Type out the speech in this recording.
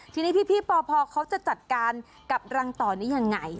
ทีนี้พี่ปพเขาจะจัดการกับรังต่อนี้ยังไง